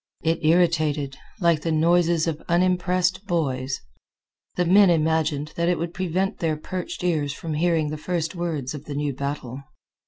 It irritated, like the noises of unimpressed boys. The men imagined that it would prevent their perched ears from hearing the first words of the new battle.